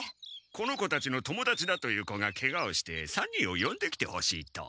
この子たちの友だちだという子がケガをして３人をよんできてほしいと。